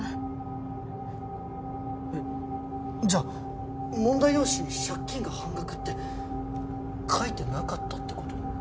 えっじゃあ問題用紙に借金が半額って書いてなかったって事？